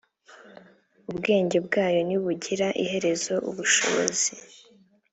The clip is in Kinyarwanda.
ubwenge bwayo ntibugira iherezo ubushobozi